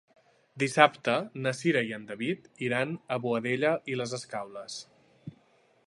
Dissabte na Cira i en David iran a Boadella i les Escaules.